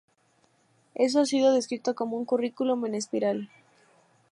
Esto ha sido descrito como un currículum en espiral.